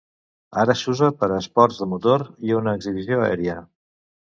Ara s'usa per a esports de motor i una exhibició aèria.